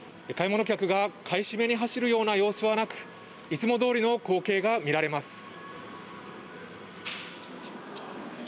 買い物客が買い占めに走るような様子はなくいつもどおりの光景が見られます。